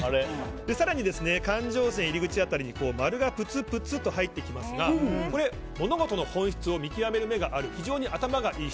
更に、感情線入り口辺りに丸がプツプツと入ってきますがこれ、物事の本質を見極める目がある非常に頭のいい人。